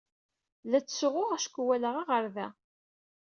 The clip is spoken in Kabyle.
La ttsuɣuɣ acku walaɣ aɣerday!